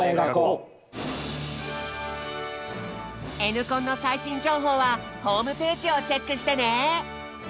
「Ｎコン」の最新情報はホームページをチェックしてね！